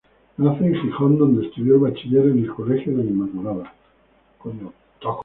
Nace en Gijón, donde estudió el bachiller, en el colegio de la Inmaculada.